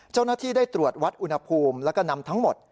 เจ้าหน้าที่ได้ตรวจวัดอุณหภูมิแล้วก็นำทั้งหมด